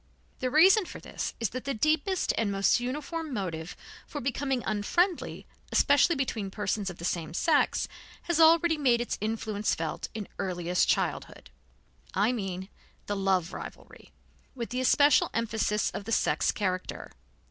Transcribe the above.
The reason for this is that the deepest and most uniform motive for becoming unfriendly, especially between persons of the same sex, has already made its influence felt in earliest childhood. I mean the love rivalry, with the especial emphasis of the sex character.